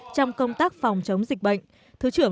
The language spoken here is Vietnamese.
trong công tác phòng chống dịch bệnh